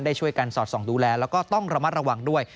ช่วยกันสอดส่องดูแลแล้วก็ต้องระมัดระวังด้วย